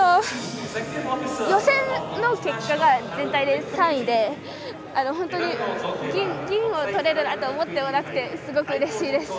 予選の結果が全体で３位で本当に銀をとれるなんて思ってもなくてすごく、うれしいです。